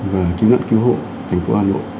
và cứu nạn cứu hộ thành phố hà nội